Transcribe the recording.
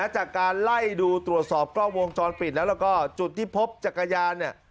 จากการไล่ดูตรวจสอบกล้องวงจรปิดแล้วก็จุดที่พบจักรยานเนี่ย